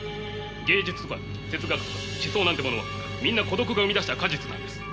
芸術とか哲学とか思想なんてものはみんな孤独が生み出した果実なんです。